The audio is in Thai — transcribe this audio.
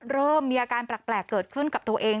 เริ่มมีอาการแปลกเกิดขึ้นกับตัวเอง